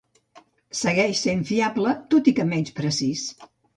Segueix sent fiable, tot i que menys precís.